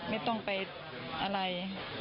ไม่ต้องไปอะไร